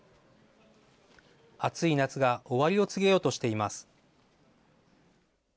暑い夏が終わりを告げようとしています。